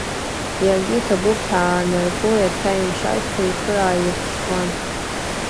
Иаргьы, иҭабуп ҳәа аанарго, иаҭәаимшьазшәа ихы ааирҵысуан.